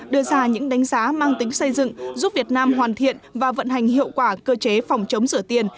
đưa ra những đánh giá mang tính xây dựng giúp việt nam hoàn thiện và vận hành hiệu quả cơ chế phòng chống rửa tiền